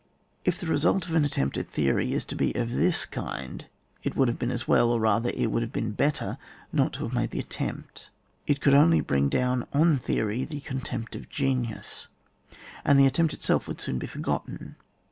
If the result of an attempt at theory is to be of this kind, it would have been as well, or rather, it would have been bet ter, not to have made the attempt ; it coiild only bring down on theory the con tempt of genius, and the attempt itself woTiId soon be forgotten.